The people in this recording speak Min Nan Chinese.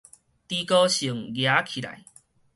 豬哥性夯起來